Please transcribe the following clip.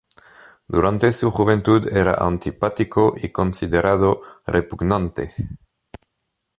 Durante su juventud era antipático y considerado repugnante.